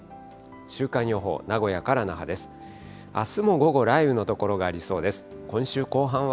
週間予報、名古屋から那覇です。